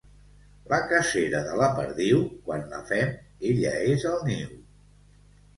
La cacera de la perdiu, quan la fem ella és al niu.